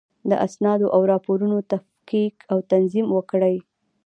د اسنادو او راپورونو تفکیک او تنظیم وکړئ.